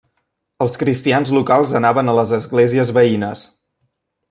Els cristians locals anaven a les esglésies veïnes.